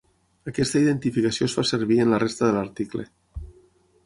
Aquesta identificació es fa servir en la resta de l'article.